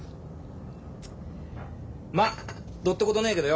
まっどってことねえけどよ。